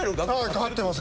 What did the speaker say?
買ってます